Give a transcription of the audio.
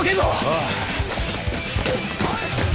ああ。